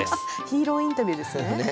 ヒーローインタビューですね。